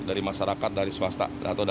dari masyarakat dari swasta